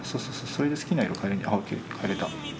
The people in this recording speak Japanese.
それで好きな色変えるＯＫ変えれた。